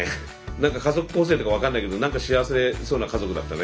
何か家族構成とか分かんないけど何か幸せそうな家族だったね。